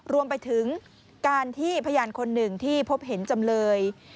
รวมไปถึงการที่พยานคนหนึ่งที่พบเห็นจำเลย